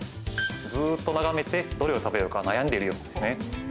ずっと眺めてどれを食べようか悩んでいるようですね。